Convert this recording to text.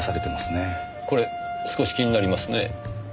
これ少し気になりますね。